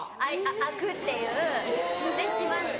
開くっていうで閉まって。